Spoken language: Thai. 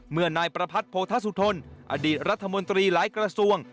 เมื่อนายประพัฒน์โพธาสุทลอดีตรัฐมนตรีหลายกระทรวง